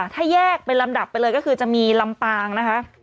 ถ้าแยกเป็นลำดับไปเลยก็คือจะมีลำปางนะคะ